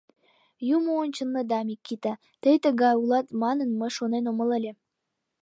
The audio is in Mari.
Юмо ончылныда, Микита, тый тыгай улат манын, мый шонен омыл ыле.